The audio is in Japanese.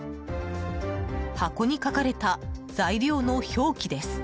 箱に書かれた、材料の表記です。